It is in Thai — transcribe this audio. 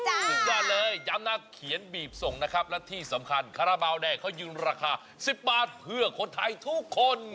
สุดยอดเลยย้ำนะเขียนบีบส่งนะครับและที่สำคัญคาราบาลแดงเขายืนราคา๑๐บาทเพื่อคนไทยทุกคน